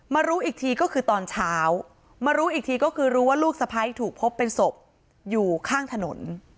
รู้อีกทีก็คือตอนเช้ามารู้อีกทีก็คือรู้ว่าลูกสะพ้ายถูกพบเป็นศพอยู่ข้างถนน